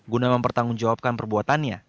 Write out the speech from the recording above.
guna mempertanggungjawabkan perbuatannya